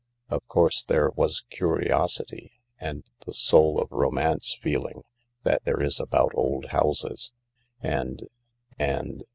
Of course there was curiosity, and the soul of romance feeling that there is about old houses ; and ... and